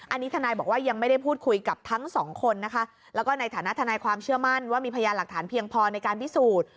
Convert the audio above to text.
อันนี้ทนายบอกว่ายังไม่ได้พูดคุยกับทั้งสองคนนะคะแล้วก็ในฐานะทนายความเชื่อมั่นว่ามีพยานหลักฐานเพียงพอในการพิสูจน์